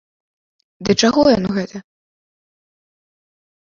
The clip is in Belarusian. Да чаго яно гэта?